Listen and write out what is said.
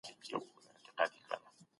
تاسي په پښتو کي څونه کتابونه لوستي دي؟